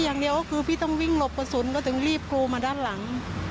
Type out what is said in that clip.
อย่างเดียวก็คือพี่ต้องวิ่งหลบกระสุนก็ถึงรีบกรูมาด้านหลัง